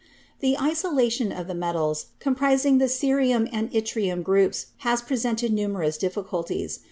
The isolation of the metals comprising the cerium and yttrium groups has presented numerous difficulties.